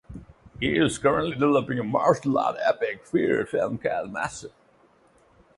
He is currently developing a martial arts epic period film called "Master".